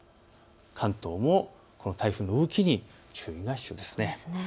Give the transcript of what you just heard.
関東もこの台風の動きに注意が必要ですね。